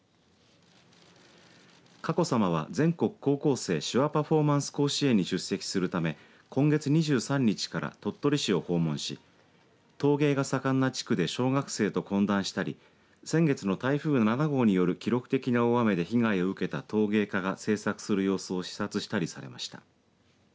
佳子さまは全国高校生手話パフォーマンス甲子園に出席するため今月２３日から鳥取市を訪問し陶芸が盛んな地区で小学生と懇談したり先月の台風７号による記録的な大雨で被害を受けた陶芸家が制作する様子を視察されたりされました。